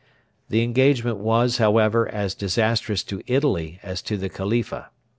The engagement was, however, as disastrous to Italy as to the Khalifa.